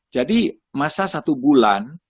jadi masa satu bulan